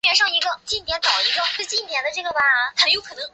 莫贺设是在七世纪早期西突厥汗国属部可萨人的叶护和将军。